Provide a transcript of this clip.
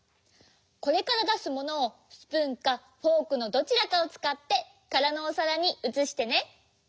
これからだすものをスプーンかフォークのどちらかをつかってからのおさらにうつしてね。